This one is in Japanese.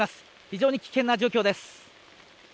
非常に危険な状況です。